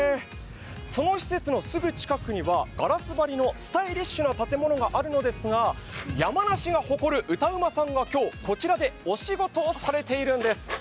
その施設のすぐ近くにはガラス張りのスタイリッシュな建物があるのですが山梨が誇る歌うまさんが今日こちらでお仕事をされているんです。